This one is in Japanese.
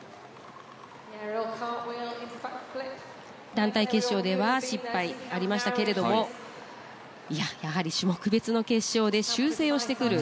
団体決勝では失敗もありましたがやはり種目別の決勝で修正をしてくる。